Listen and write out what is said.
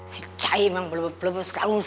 si cahim yang berlebihan sekarang